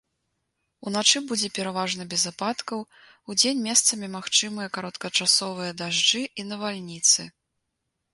Уначы будзе пераважна без ападкаў, удзень месцамі магчымыя кароткачасовыя дажджы і навальніцы.